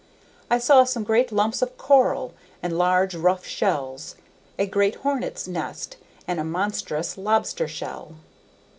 I saw some great lumps of coral, and large, rough shells, a great hornet's nest, and a monstrous lobster shell.